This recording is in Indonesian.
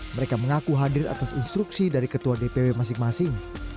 mereka mengaku hadir atas instruksi dari ketua dpw masing masing